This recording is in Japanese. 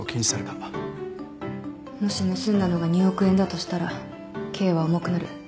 もし盗んだのが２億円だとしたら刑は重くなる。